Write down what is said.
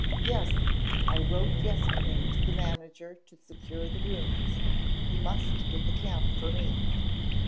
"Yes, I wrote yesterday to the manager to secure the rooms. You must get the camp for me."